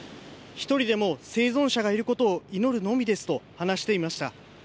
１人でも生存者がいることを祈るのみですと話していました。